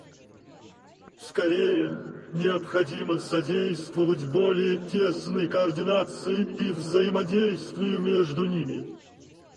Скорее, необходимо содействовать более тесной координации и взаимодействию между ними.